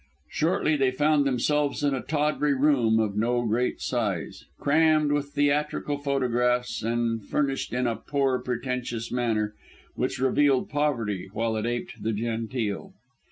Shortly they found themselves in a tawdry room of no great size, crammed with theatrical photographs and furnished in a poor, pretentious manner, which revealed poverty, while it aped the genteel.